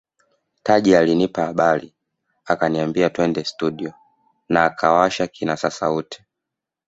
Taji alinipa habari akaniambia twende studio na akawasha kinasa sauti